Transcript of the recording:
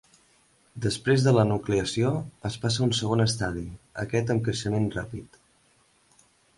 Després de la nucleació, es passa a un segon estadi, aquest amb creixement ràpid.